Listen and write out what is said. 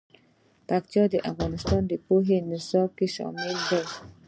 پکتیکا د افغانستان د پوهنې نصاب کې شامل دي.